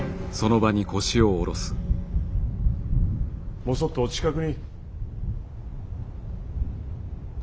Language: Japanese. もそっとお近くに。